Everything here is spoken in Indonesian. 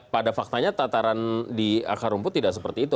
pada faktanya tataran di akar rumput tidak seperti itu